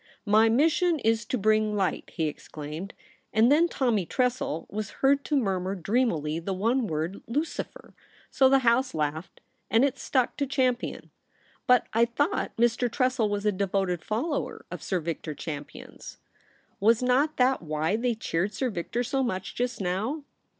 " My mission is to bring light," he exclaimed, and then Tommy Tressel was heard to murmur dreamily the one word " Lucifer !" So the House laughed, and it stuck to Champion.' ' But I thought Mr. Tressel was a devoted follower of Sir Victor Champion's ? Was not that why they cheered Sir Victor so much just now